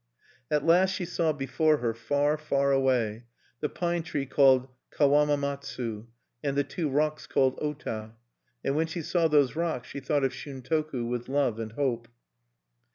At last she saw before her far, far away the pine tree called Kawama matsu, and the two rocks called Ota(1); and when she saw those rocks, she thought of Shuntoku with love and hope.